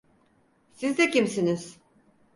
Siz de kimsiniz?